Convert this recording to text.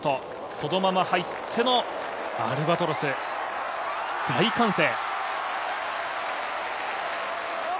そのまま入ってのアルバトロス、大歓声。